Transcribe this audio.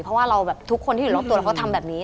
เพราะว่าเราแบบทุกคนที่อยู่รอบตัวแล้วเขาทำแบบนี้